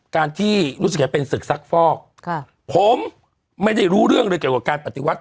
การที่รู้สึกจะเป็นศึกซักฟอกผมไม่ได้รู้เรื่องเลยเกี่ยวกับการปฏิวัติ